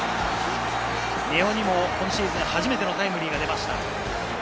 根尾にも今シーズン初めてのタイムリーが出ました。